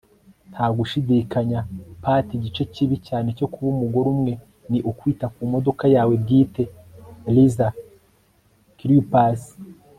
nta gushidikanya part igice kibi cyane cyo kuba umugore umwe ni ukwita ku modoka yawe bwite - lisa kleypas